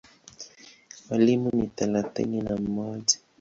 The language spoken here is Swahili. Walimu ni thelathini na mmoja.